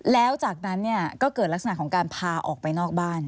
แล้วจากนั้นก็เกิดลักษณะของการพาออกไปนอกบ้าน